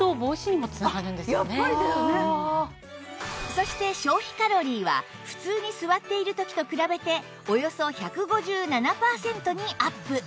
そして消費カロリーは普通に座っている時と比べておよそ１５７パーセントにアップ